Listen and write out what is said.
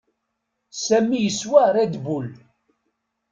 Sami yeswa Red Bull.